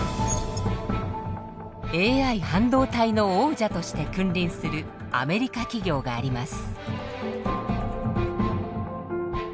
ＡＩ半導体の王者として君臨するアメリカ企業があります。